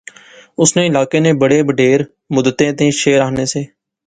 اس نے علاقے نے بڑے بڈھیر مدتیں تھیں شعر آخنے سے